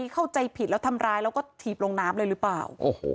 เข้าใจผิดแล้วทำร้ายแล้วก็ถีบลงน้ำเลยหรือเปล่า